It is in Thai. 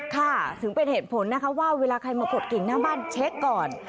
ค่ะถึงเป็นเหตุผลนะคะว่าเวลาใครมากดกิ่งหน้าบ้านเช็คก่อน